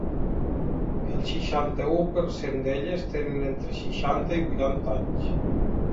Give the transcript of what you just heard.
El seixanta-u per cent d’elles tenen entre seixanta i vuitanta anys.